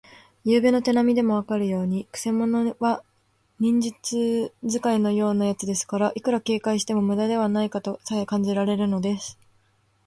ゆうべの手なみでもわかるように、くせ者は忍術使いのようなやつですから、いくら警戒してもむだではないかとさえ感じられるのです。